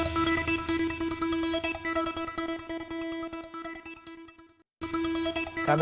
kami akan bergabung dengan kami